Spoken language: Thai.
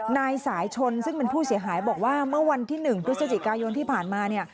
นายสายชนซึ่งเป็นผู้เสียหายบอกว่าเมื่อวันที่หนึ่งด้วยสจิกายนที่ผ่านมา